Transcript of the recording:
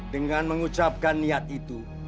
dengan mengucapkan niat itu